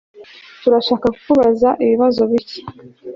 Turashaka kukubaza ibibazo bike